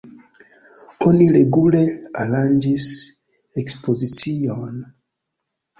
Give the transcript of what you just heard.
Oni regule aranĝis ekspoziciojn.